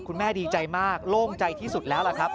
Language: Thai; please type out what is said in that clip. คุณแม่ดีใจมากโล่งใจที่สุดแล้วล่ะครับ